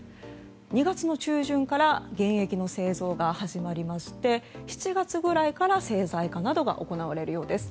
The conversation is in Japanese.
２月の中旬から原液の製造が始まりまして７月ぐらいから製剤化などが行われるようです。